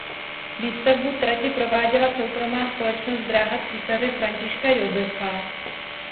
Výstavbu trati prováděla soukromá společnost Dráha císaře Františka Josefa.